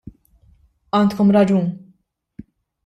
Għandkom raġun.